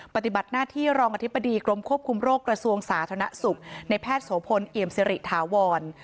ปฏิบัติหน้าที่รองอธิบดีกรมควบคุมโรคกระทรวงสาธารณสุขในแพทย์โสพลเอี่ยมสิริถาวร